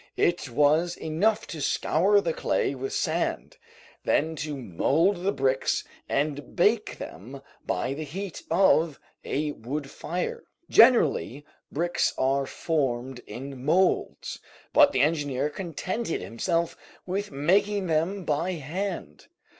It was enough to scour the clay with sand, then to mold the bricks and bake them by the heat of a wood fire. Generally bricks are formed in molds, but the engineer contented himself with making them by hand.